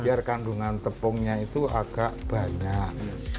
biar kandungan tepungnya itu agak banyak